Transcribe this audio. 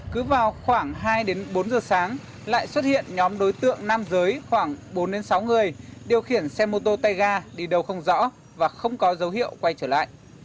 cứ vào khoảng hai đến bốn giờ sáng lại xuất hiện nhóm đối tượng nam giới khoảng bốn sáu người điều khiển xe mô tô tay ga đi đâu không rõ và không có dấu hiệu quay trở lại